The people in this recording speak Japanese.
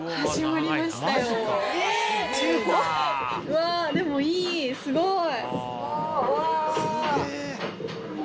わでもいいすごい！